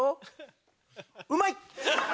うまい！